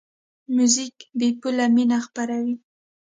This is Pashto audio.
موزیک بېپوله مینه خپروي.